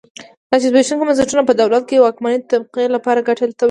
دا چې زبېښونکي بنسټونه په دولت کې د واکمنې طبقې لپاره ګټه تولیدوي.